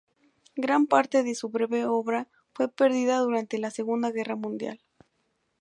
Gran parte de su breve obra fue perdida durante la Segunda Guerra Mundial.